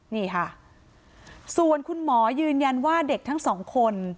นี่ค่ะส่วนคุณหมอยืนยันว่าเด็กทั้งสองคน